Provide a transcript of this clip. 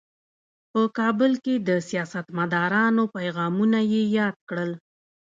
په کابل کې د سیاستمدارانو پیغامونه یې یاد کړل.